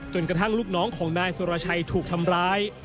กระทั่งลูกน้องของนายสุรชัยถูกทำร้าย